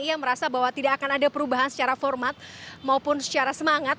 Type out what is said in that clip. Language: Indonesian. ia merasa bahwa tidak akan ada perubahan secara format maupun secara semangat